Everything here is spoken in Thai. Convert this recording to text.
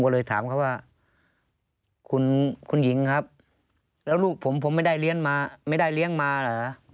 ผมก็เลยถามเขาว่าคุณหญิงครับแล้วลูกผมผมไม่ได้เลี้ยงมาเหรอ